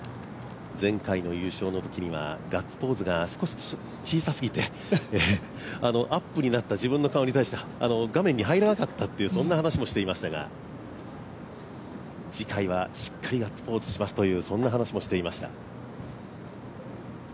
前回の優勝のときにはガッツポーズが少し小さすぎてアップになった自分の顔に対して、画面に入らなかったっていうそんな話もしていましたが、次回はしっかりガッツポーズしますという話もしていました。